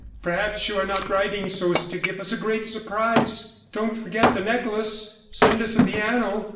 Perhaps you are not writing so as to give us a great surprise. Don't forget the necklace! Send us a piano.